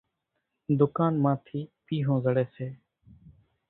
ۮُڪانَ مان ٿِي پيۿون زڙيَ سي۔